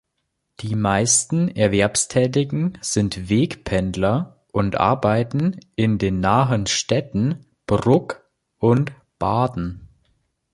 Die meisten Erwerbstätigen sind Wegpendler und arbeiten in den nahen Städten Brugg und Baden.